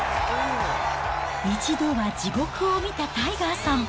一度は地獄を見たタイガーさん。